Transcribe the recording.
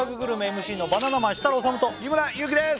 ＭＣのバナナマン設楽統と日村勇紀です